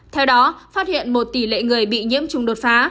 theo đó phát hiện một tỷ lệ người bị nhiễm trùng đột phá